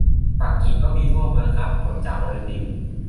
ปักกิ่งก็มีทั่วเมืองครับ ผลจากโอลิมปิก